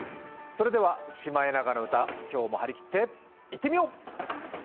それではシマエナガの歌今日も張り切って行ってみよう！